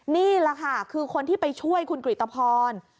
นี่แหละค่ะคือคนที่ไปช่วยคุณกริตภร